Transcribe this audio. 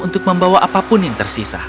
untuk membawa apapun yang tersisa